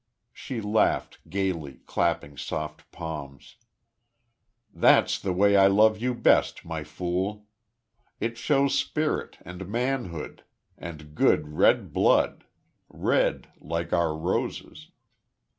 She laughed, gaily, clapping soft palms. "That's the way I love you best, My Fool. It shows spirit, and manhood, and good, red blood red, like our roses!"